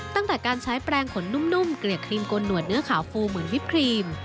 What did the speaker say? ตั้งแต่การใช้แปลงขนนุ่มเกลียดครีมกลหนวดเนื้อขาวฟูเหมือนวิปครีม